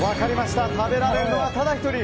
食べられるのは、ただ１人。